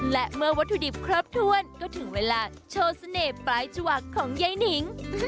และเมื่อวัตถุดิบครบถ้วนก็ถึงเวลาโชว์เสน่ห์ปลายจวักของยายนิง